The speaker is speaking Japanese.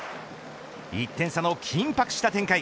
１点差の緊迫した展開。